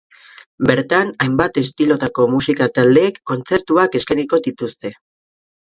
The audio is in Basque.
Bertan hainbat estilotako musika taldeek kontzertuak eskainiko dituzte.